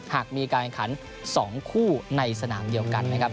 หากมีการแข่งขัน๒คู่ในสนามเดียวกันนะครับ